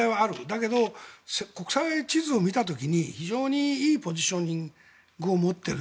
だけど国際地図を見た時に非常にいいポジショニングを持っている。